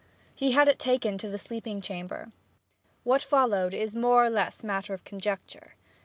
He had it taken to the sleeping chamber. What followed is more or less matter of conjecture.